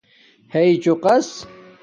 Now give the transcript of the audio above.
ہݵ چوقس